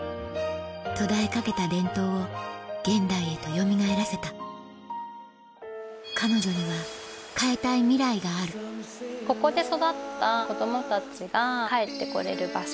途絶えかけた伝統を現代へとよみがえらせた彼女には変えたいミライがあるここで育った子供たちが帰ってこれる場所。